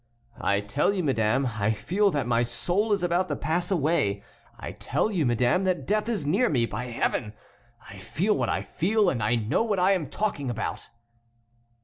"I tell you, madame, I feel that my soul is about to pass away. I tell you, madame, that death is near me, by Heaven! I feel what I feel, and I know what I am talking about!"